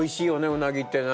うなぎってね。